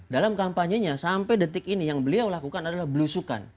dalam kampanyenya sampai detik ini yang beliau lakukan adalah belusukan